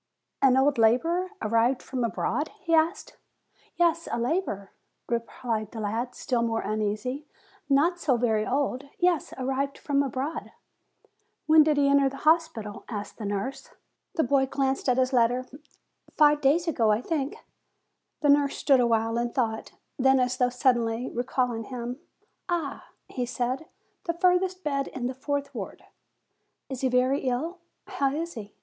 "An old laborer, arrived from abroad?" he asked. "Yes, a laborer," replied the lad, still more uneasy; "not so very old. Yes, arrived from abroad." "When did he enter the hospital?'" asked the nurse. The lacl glanced at his letter; "Five days ago, I think." The nurse stood awhile in thought; then, as though suddenly recalling him; "Ah!" he said, "the furthest bed in the fourth ward." "Is he very ill? How is he?"